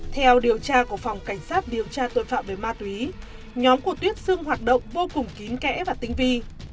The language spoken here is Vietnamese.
theo điều tra của phòng cảnh sát điều tra tội phạm về ma túy nhóm của tuyết xưng hoạt động vô cùng kín kẽ và tinh vi